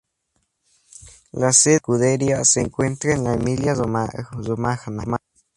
La sede de la escudería se encuentra en la Emilia Romagna.